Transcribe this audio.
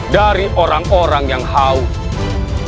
dari orang orang yang haus